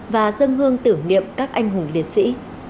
và dân hương tưởng niệm các anh hùng liệt sĩ